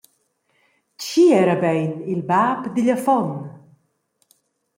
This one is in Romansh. Tgi era bein il bab digl affon?